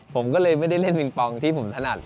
ผมก็เลยไม่ได้เล่นปิงปองที่ผมถนัด